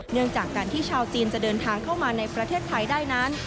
เนื่องจากการที่ชาวจีนจะเดินทางเข้ามาในประเทศไทยได้นั้น